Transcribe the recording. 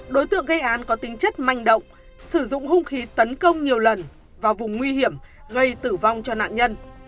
đối tượng gây án có tính chất manh động sử dụng hung khí tấn công nhiều lần vào vùng nguy hiểm gây tử vong cho nạn nhân